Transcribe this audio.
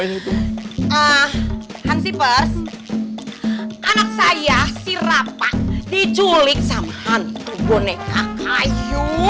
ah hansifers anak saya si rapa diculik sama hantu boneka kayu